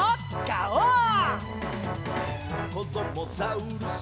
「こどもザウルス